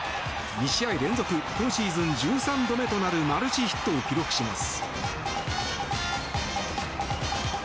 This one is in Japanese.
２試合連続今シーズン１３度目となるマルチヒットを記録します。